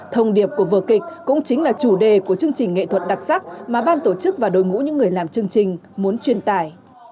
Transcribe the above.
thông điệp của vở kịch cũng chính là chủ đề của chương trình nghệ thuật đặc sắc mà ban tổ chức và đội ngũ những người làm chương trình muốn truyền tải